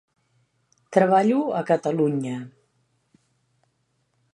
Treballo a Catalunya.